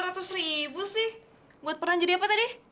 ini masa cuma rp dua ratus sih buat peran jadi apa tadi